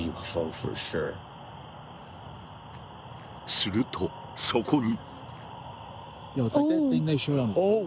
するとそこに！